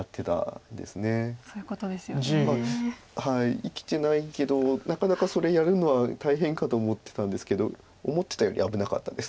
生きてないけどなかなかそれやるのは大変かと思ってたんですけど思ってたより危なかったです。